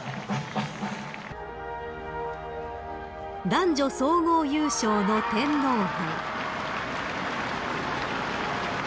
［男女総合優勝の天皇杯］